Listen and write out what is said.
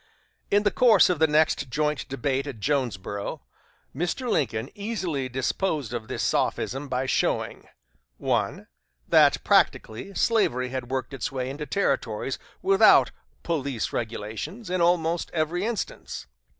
In the course of the next joint debate at Jonesboro', Mr. Lincoln easily disposed of this sophism by showing: 1. That, practically, slavery had worked its way into Territories without "police regulations" in almost every instance; 2.